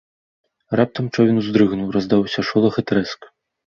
Раптам човен уздрыгнуў, раздаўся шолах і трэск.